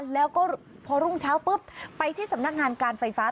แล้วก็พอรุ่งเช้าปุ๊บไปที่สำนักงานการไฟฟ้า